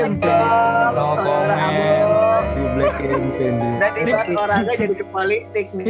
orang orangnya jadi politik nih